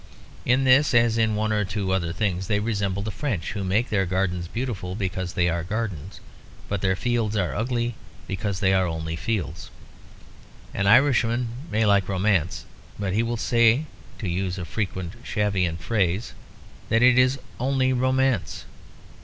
In this, as in one or two other things, they resemble the French, who make their gardens beautiful because they are gardens, but their fields ugly because they are only fields. An Irishman may like romance, but he will say, to use a frequent Shavian phrase, that it is "only romance."